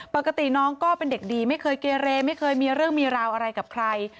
ปกติน้องก็เป็นเด็กดีไม่เคยเกเรไม่เคยมีเรื่องมีราวอะไรกับใคร